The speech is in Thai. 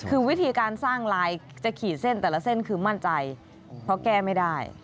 คือวิธีการสร้างลายจะขีดเส้นแต่ละเส้นคือมั่นใจเพราะแก้ไม่ได้